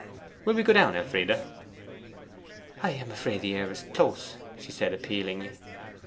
'We will go down, Elfride.' 'I am afraid the air is close,' she said appealingly.